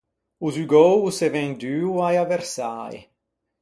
O zugou o s’é venduo a-i avversäi.